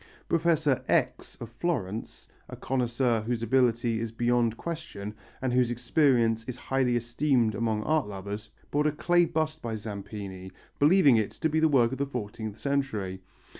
Professor X. of Florence, a connoisseur whose ability is beyond question and whose experience is highly esteemed among art lovers, bought a clay bust by Zampini, believing it to be work of the fourteenth century.